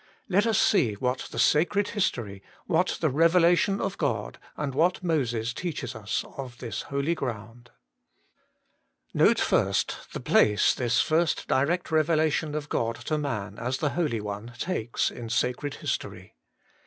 Let us see what the sacred history, what the revelation of God, and what Moses teaches us of this holy ground. 1. Note the place this first direct revelation of God to man as the Holy One takes in sacred history.